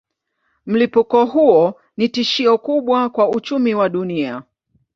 Mlipuko huo ni tishio kubwa kwa uchumi wa dunia.